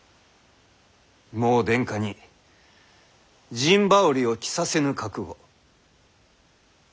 もう殿下に陣羽織を着させぬ覚悟。